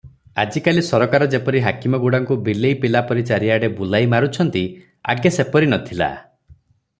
ଆଜିକାଲି ସରକାର ଯେପରି ହାକିମଗୁଡ଼ାଙ୍କୁ ବିଲେଇ ପିଲାପରି ଚାରିଆଡେ ବୁଲାଇ ମାରୁଛନ୍ତି, ଆଗେ ସେପରି ନ ଥିଲା ।